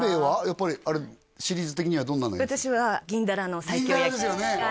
やっぱりあれシリーズ的にはどんなの私は銀だらの西京焼き銀だらですよね